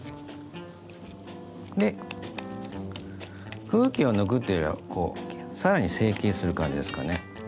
で空気を抜くというよりは更に成形する感じですかね。